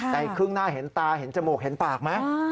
แต่ครึ่งหน้าเห็นตาเห็นจมูกเห็นปากไหม